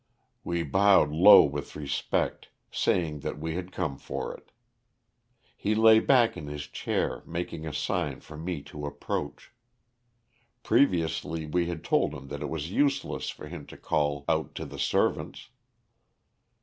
"We bowed low with respect, saying that we had come for it. He lay back in his chair, making a sign for me to approach. Previously we had told him that it was useless for him to call out to the servants."